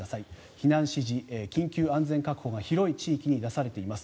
避難指示、緊急安全確保が広い地域に出されています。